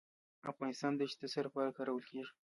د افغانستان دښتې د څه لپاره کارول کیږي؟